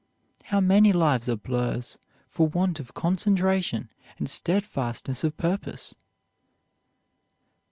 How many lives are blurs for want of concentration and steadfastness of purpose!"